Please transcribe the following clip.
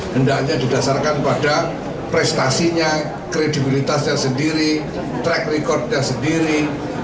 hendaknya didasarkan pada prestasinya kredibilitasnya sendiri track recordnya sendiri